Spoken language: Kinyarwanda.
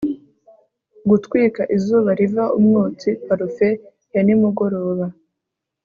Gutwika izuba riva umwotsi parufe ya nimugoroba